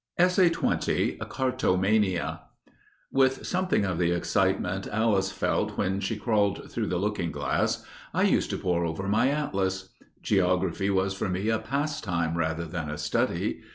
*Cartomania* With something of the excitement Alice felt when she crawled through the looking glass, I used to pore over my atlas. Geography was for me a pastime rather than a study.